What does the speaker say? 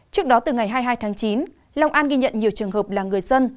trước đó từ ngày hai mươi hai tháng chín long an ghi nhận nhiều trường hợp là người dân